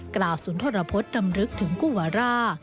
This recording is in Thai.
กล่าวสุนทรพจน์รำลึกถึงกุวารา